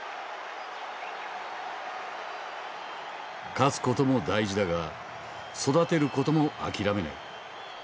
勝つことも大事だが育てることも諦めない。